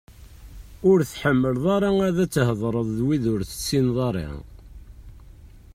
Ur tḥemmleḍ ara ad theḍṛeḍ d wid ur tessineḍ ara?